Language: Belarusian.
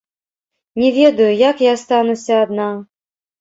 Не ведаю, як я астануся адна.